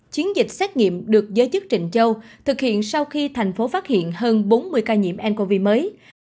chiến dịch xét nghiệm được giới chức trịnh châu thực hiện sau khi thành phố phát hiện hơn bốn mươi ca nhiễm ncov mới